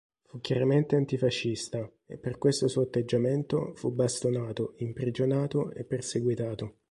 Fu chiaramente antifascista e per questo suo atteggiamento fu bastonato, imprigionato e perseguitato.